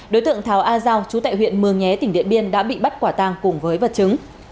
đối tượng thảo a giao chú tại huyện mường nhé tỉnh điện biên đã bị bắt quả tàng cùng với vật chứng